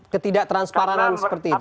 ketidak transparan seperti itu